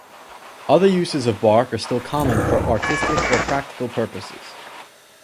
Other uses of bark are still common for artistic or practical purposes.